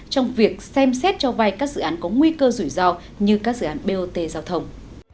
trong việc xem xét cho vay các dự án có nguy cơ rủi ro như các dự án bot giao thông